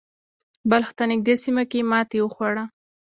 بلخ ته نږدې سیمه کې یې ماتې وخوړه.